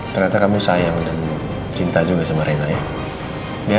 ternyata kamu sayang dan cinta juga sama rena ya